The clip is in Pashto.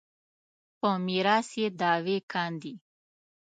په میراث یې دعوې کاندي.